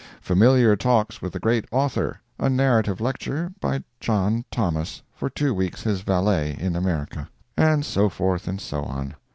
"Familiar Talks with the Great Author." A narrative lecture By John Thomas, for two weeks his valet in America. And so forth, and so on.